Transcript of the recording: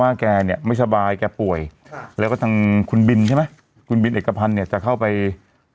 แกเนี่ยไม่สบายแกป่วยแล้วก็ทางคุณบินใช่ไหมคุณบินเอกพันธ์เนี่ยจะเข้าไป